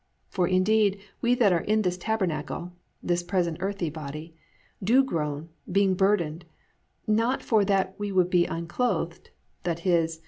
For indeed we that are in this tabernacle+ (this present earthy body) +do groan, being burdened; not for that we would be unclothed+ (i.e.